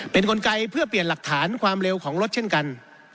เป็นกลไกเพื่อเปลี่ยนหลักฐานความเร็วของรถเช่นกัน